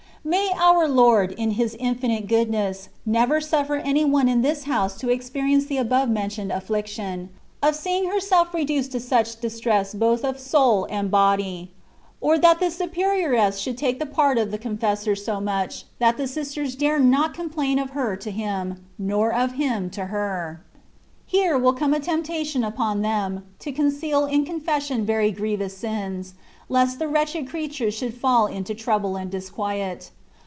May our Lord, in His infinite goodness, never suflfer any one in this house to experience the above mentioned affliction, of seeing herself re duced to such distress both of soul and body : or that the superioress should take the part of the confessor so much, that the sisters dare not com THE WAY OF PERFECTION. 26 plain of her to him^ nor of him to her. Here will come a temptation upon them^ to conceal in con fession very grievous sins, lest the wretched crea tures should fall into trouble and disquiet.